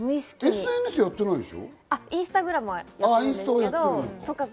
ＳＮＳやってないでしょ？